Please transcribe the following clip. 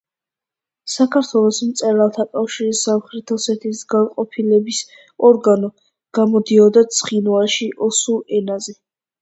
საქართველოს მწერალთა კავშირის სამხრეთ ოსეთის განყოფილების ორგანო, გამოდიოდა ცხინვალში ოსურ ენაზე.